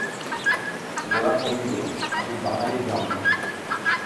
গোরা কহিল, আমি বাঙালি ব্রাহ্মণ।